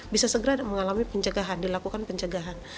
bisa segera mengalami penjagaan dilakukan penjagaan